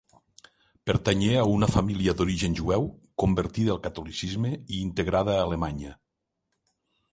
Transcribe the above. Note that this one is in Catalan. Pertanyé a una família d'origen jueu, convertida al catolicisme i integrada a Alemanya.